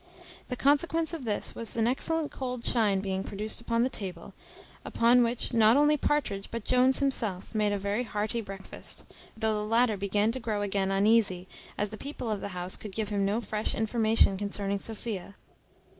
The consequence of this was an excellent cold chine being produced upon the table, upon which not only Partridge, but Jones himself, made a very hearty breakfast, though the latter began to grow again uneasy, as the people of the house could give him no fresh information concerning Sophia.